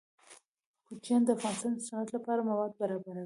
کوچیان د افغانستان د صنعت لپاره مواد برابروي.